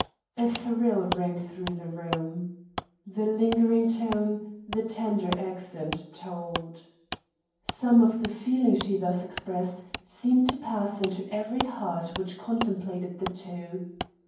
A thrill ran through the room. The lingering tone, the tender accent, told. Some of the feeling she thus expressed seemed to pass into every heart which contemplated the two.